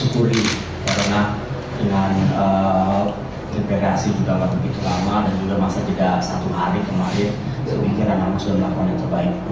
jadi kira kira kita sudah melakukan yang terbaik untuk kemenangan hari ini